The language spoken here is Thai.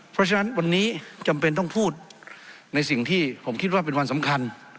เพราะฉะนั้นวันนี้จำเป็นต้องพูดในสิ่งที่ผมคิดว่าเป็นวันสำคัญ